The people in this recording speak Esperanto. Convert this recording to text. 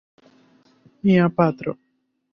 Mia patro.